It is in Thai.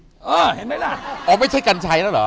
เห็นไหมล่ะอ๋อไม่ใช่กัญชัยแล้วเหรอ